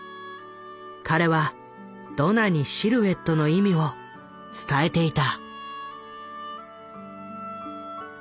彼はドナにシルエットの意味を伝えていた。